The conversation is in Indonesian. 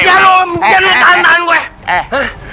jangan jangan jangan tahan tahan gue